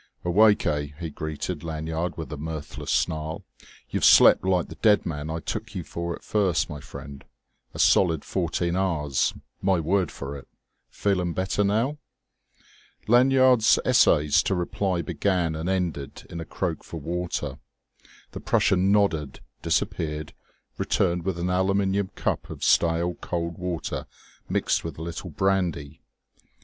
"Awake, eh?" he greeted Lanyard with a mirthless snarl. "You've slept like the dead man I took you for at first, my friend a solid fourteen hours, my word for it! Feeling better now?" Lanyard's essays to reply began and ended in a croak for water. The Prussian nodded, disappeared, returned with an aluminium cup of stale cold water mixed with a little brandy.